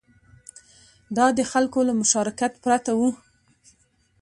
دا د خلکو له مشارکت پرته و